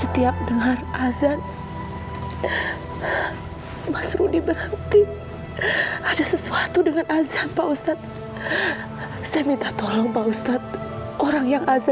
tidak ada kuasa dan upaya